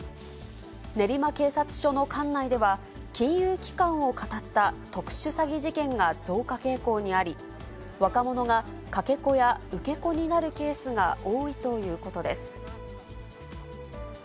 練馬警察署の管内では、金融機関をかたった特殊詐欺事件が増加傾向にあり、若者がかけ子や受け子になるケースが多いということです。